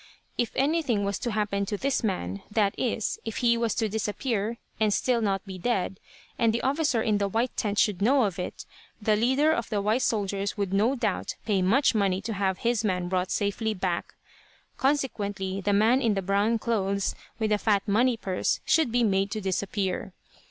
If anything was to happen to this man that is if he was to disappear, and still not be dead, and the officer in the white tent should know of it the leader of the white soldiers would no doubt pay much money to have his man brought safely back. Consequently the man in the brown clothes, with the fat money purse, should be made to disappear.